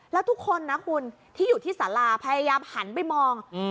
แล้วทุกคนนะคุณที่อยู่ที่สาราพยายามหันไปมอง